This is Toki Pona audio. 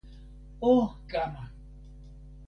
o kama!